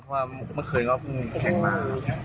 ว่าเมื่อคืนก็เพิ่งแข่งมา